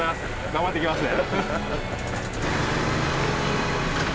頑張ってきますね。